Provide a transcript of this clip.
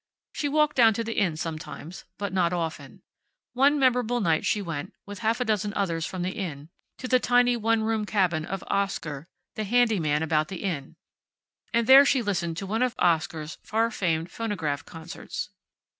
She walked down to the Inn sometimes, but not often. One memorable night she went, with half a dozen others from the Inn, to the tiny one room cabin of Oscar, the handy man about the Inn, and there she listened to one of Oscar's far famed phonograph concerts.